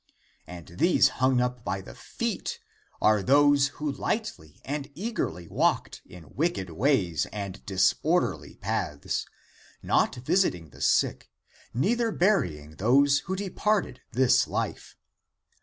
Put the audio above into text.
And these hung up by the feet are those who lightly and eagerly walked in wicked ways and disorderly paths, not visiting the sick, neither burying those who departed this life.